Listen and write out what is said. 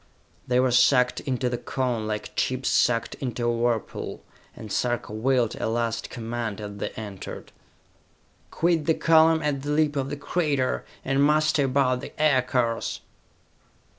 They were sucked into the Cone like chips sucked into a whirlpool, and Sarka willed a last command as they entered: "Quit the column at the lip of the crater, and muster about the aircars!"